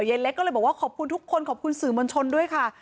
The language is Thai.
เล็กก็เลยบอกว่าขอบคุณทุกคนขอบคุณสื่อมวลชนด้วยค่ะ